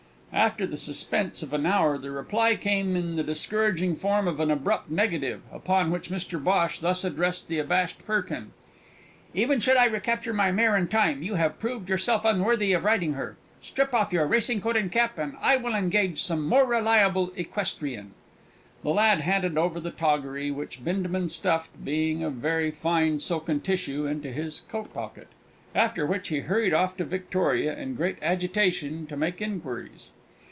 After the suspense of an hour the reply came in the discouraging form of an abrupt negative, upon which Mr Bhosh thus addressed the abashed Perkin: "Even should I recapture my mare in time, you have proved yourself unworthy of riding her. Strip off your racing coat and cap, and I will engage some more reliable equestrian." The lad handed over the toggery, which Bindabun stuffed, being of very fine silken tissue, into his coat pocket, after which he hurried off to Victoria in great agitation to make inquiries.